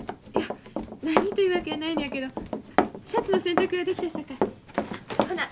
いや何というわけやないのやけどシャツの洗濯ができたさかい。